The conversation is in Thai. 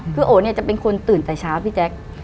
คือโอ๋เนี่ยจะเป็นคนตื่นแต่เช้าพี่แจ๊ค